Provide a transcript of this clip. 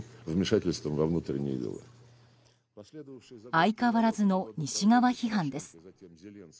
相変わらずの西側批判です。